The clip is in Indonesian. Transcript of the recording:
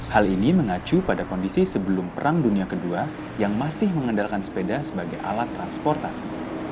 hal ini mengacu pada kondisi sebelum perang dunia ii yang masih mengandalkan sepeda sebagai alat transportasi